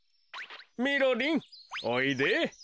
みろりんおいで。